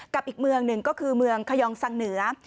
อีกเมืองหนึ่งก็คือเมืองขยองสังเหนือ